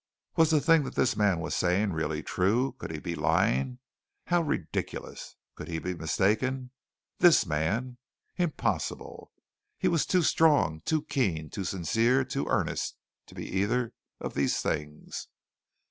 Was the thing that this man was saying really true? Could he be lying? How ridiculous! Could he be mistaken? This man? Impossible! He was too strong, too keen, too sincere, too earnest, to be either of these things.